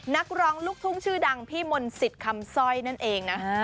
นักร้องลูกทุ่งชื่อดังพี่มนต์สิทธิ์คำสร้อยนั่นเองนะ